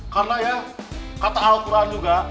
karena ya kata al quran juga